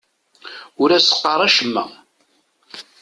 Ur as-qqar acemma.